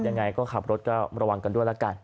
ยังไงก็ขับรถก็ระวังกันด้วยละกัน